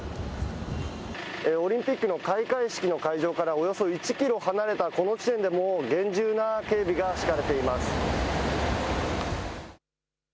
オリンピックの開会式の会場からおよそ１キロ離れたこの地点でも厳重な警備が敷かれています。